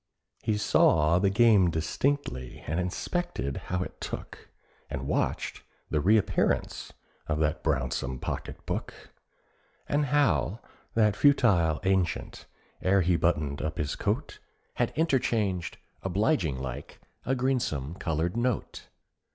He saw the game distinctly, and inspected how it took, And watched the reappearance of that brownsome pocket book, And how that futile ancient, ere he buttoned up his coat, Had interchanged, obliging like, a greensome coloured note.